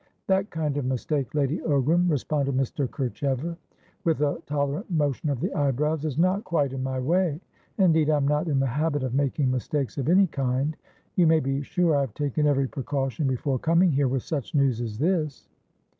"That kind of mistake, Lady Ogram," responded Mr. Kerchever with a tolerant motion of the eyebrows, "is not quite in my way. Indeed, I'm not in the habit of making mistakes of any kind. You may be sure I have taken every precaution before coming here with such news as this."